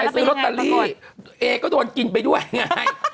ซื้อลอตเตอรี่เอก็โดนกินไปด้วยไง